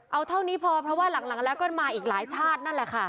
เอาเท่านี้พอเพราะว่าหลังแล้วก็มาอีกหลายชาตินั่นแหละค่ะ